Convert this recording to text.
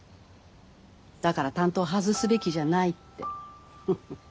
だから担当外すべきじゃないって。